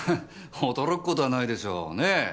驚く事はないでしょうねえ？